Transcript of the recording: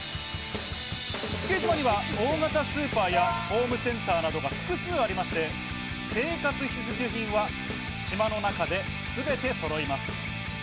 福江島には大型スーパーやホームセンターなどが複数ありまして、生活必需品は島の中ですべてそろいます。